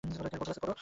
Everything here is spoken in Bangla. কোন ক্লাসে পড়ো?